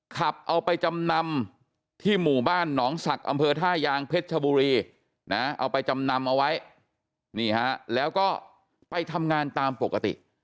ขับเอาไปจำนำที่หมู่บ้านหนองศักดิ์อำเภอท่ายางเพชรชบุรีนะเอาไปจำนำเอาไว้นี่ฮะแล้วก็ไปทำงานตามปกติ